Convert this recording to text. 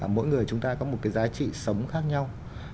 mỗi người chúng ta có một cái giá trị sống khác nhau